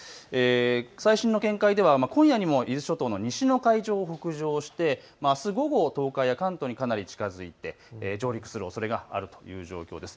最新の見解では今夜にも伊豆諸島の西の海上を北上してあす午後、東海や関東にかなり近づいて上陸するおそれがあるという状況です。